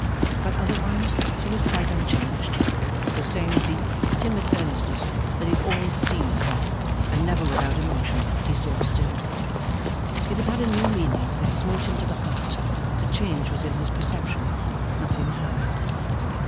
But, otherwise, she was quite unchanged. The same deep, timid earnestness that he had always seen in her, and never without emotion, he saw still. If it had a new meaning that smote him to the heart, the change was in his perception, not in her.